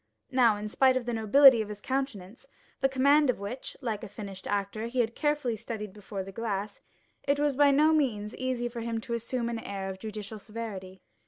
Now, in spite of the nobility of his countenance, the command of which, like a finished actor, he had carefully studied before the glass, it was by no means easy for him to assume an air of judicial severity.